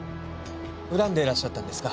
恨んでらっしゃったんですか？